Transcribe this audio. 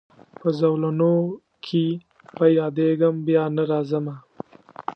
په زولنو کي به یادېږمه بیا نه راځمه